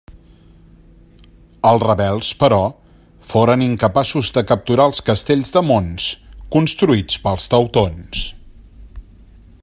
Els rebels, però, foren incapaços de capturar els castells de mons construïts pels teutons.